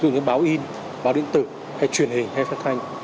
dù như báo in báo điện tử hay truyền hình hay phát thanh